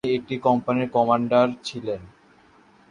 তিনি একটি কোম্পানির কমান্ডার ছিলেন।